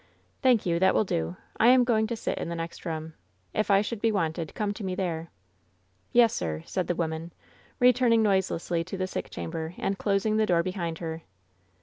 '' "Thank you. That will do. I am going to sit in the next room. If I should be wanted, come to me there." "Yes, sir," said the woman, returning noiselessly to the sick chamber, and closing the door behind her.